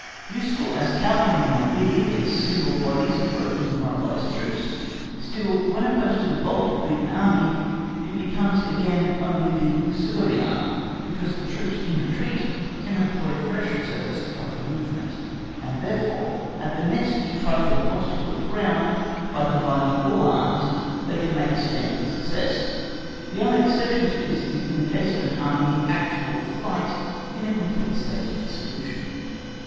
Useful as cavalry may be against single bodies of broken demoralised troops, still when opposed to the bulk of the beaten Army it becomes again only the auxiliary arm, because the troops in retreat can employ fresh reserves to cover the movement, and, therefore, at the next trifling obstacle of ground, by combining all arms they can make a stand with success. The only exception to this is in the case of an army in actual flight in a complete state of dissolution.